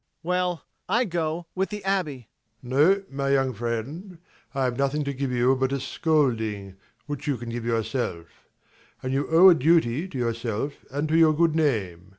MAURICE. [Rising] Well, I go with the Abbé. ABBÉ. No, my young friend. I have nothing to give you but a scolding, which you can give yourself. And you owe a duty to yourself and to your good name.